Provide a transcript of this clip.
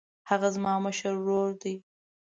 هغه زما مشر ورور دی.